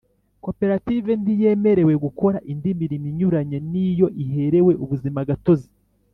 Koperative ntiyemerewe gukora indi mirimo inyuranye n’iyo iherewe ubuzimagatozi